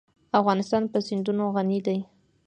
افغانستان په سیندونه غني دی.